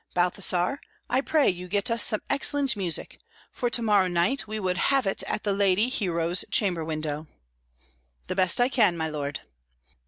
"Balthasar, I pray you get us some excellent music, for to morrow night we would have it at the lady Hero's chamber window." "The best I can, my lord."